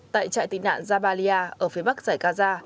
tại trại tị nạn jabalia ở phía bắc giải gaza